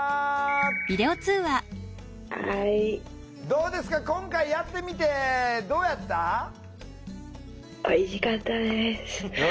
どうですか今回やってみてどうやった？よかった。